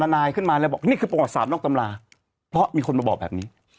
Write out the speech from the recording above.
นายขึ้นมาแล้วบอกนี่คือประวัติศาสตอกตำราเพราะมีคนมาบอกแบบนี้